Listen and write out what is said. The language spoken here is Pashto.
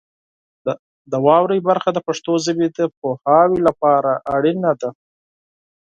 د واورئ برخه د پښتو ژبې د پوهاوي لپاره اړین دی.